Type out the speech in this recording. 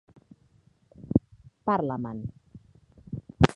Parla-me'n.